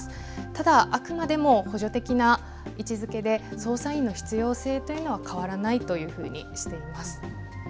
ただあくまでも補助的な位置づけで操作員の必要性というのは変わらないというふうにしています。